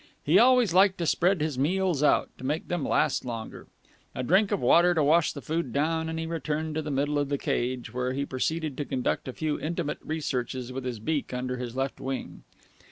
He always liked to spread his meals out, to make them last longer. A drink of water to wash the food down, and he returned to the middle of the cage, where he proceeded to conduct a few intimate researches with his beak under his left wing.